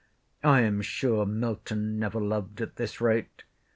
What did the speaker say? I am sure Milton never loved at this rate.